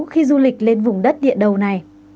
khi du lịch lên vùng đất địa đầu này